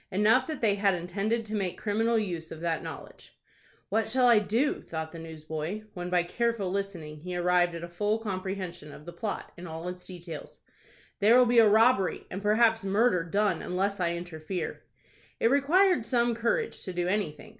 Enough that they had intended to make criminal use of that knowledge. "What shall I do?" thought the newsboy, when by careful listening he arrived at a full comprehension of the plot in all its details. "There'll be robbery, and perhaps murder done unless I interfere." It required some courage to do anything.